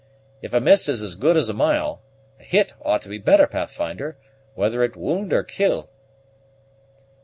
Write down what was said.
If 'a miss is as good as a mile,' a hit ought to be better, Pathfinder, whether it wound or kill."